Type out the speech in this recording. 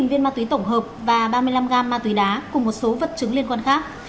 một mươi viên ma túy tổng hợp và ba mươi năm gam ma túy đá cùng một số vật chứng liên quan khác